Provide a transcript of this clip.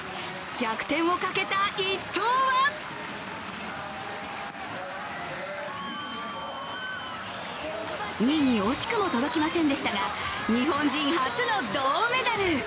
逆転をかけた一投は２位に惜しくも届きませんでしたが日本人初の銅メダル。